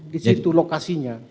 di situ lokasinya